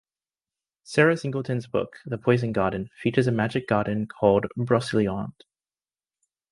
Sarah Singleton's book "The Poison Garden" features a magic garden called Broceliande.